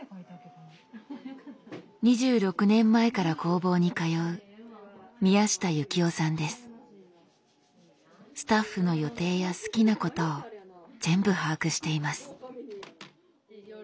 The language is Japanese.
２６年前から工房に通うスタッフの予定や好きなことを全部把握しています。